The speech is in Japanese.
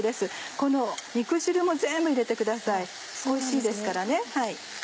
この肉汁も全部入れてくださいおいしいですからね。